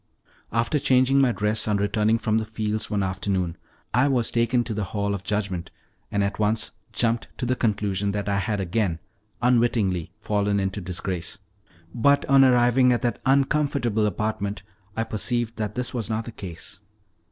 After changing my dress on returning from the fields one afternoon, I was taken to the hall of judgment, and at once jumped to the conclusion that I had again unwittingly fallen into disgrace; but on arriving at that uncomfortable apartment I perceived that this was not the case.